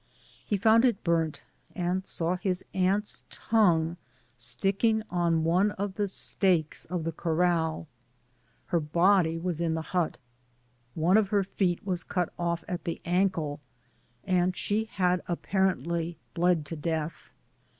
He found it burnt, and saw his aunt^a tongue sticking on one of the stakes of the corral ; her body waa in the hut ; one of her feet was cut off at the ancle, and she had i^parently bled to death.